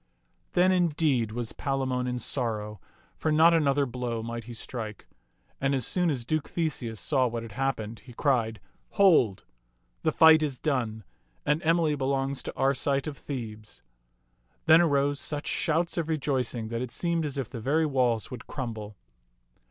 Then, indeed, was Palamon in sorrow, for not another blow might he strike. And as soon as Duke Theseus saw what had happened, he cried, " Hold ! The fight is done, and Emily belongs to Arcite of Thebes." Then arose such shouts of rejoicing that it seemed as if the very walls would crumble.